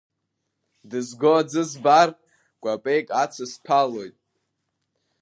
Дызго аӡы збар, кәапеик ацысҭәалоит.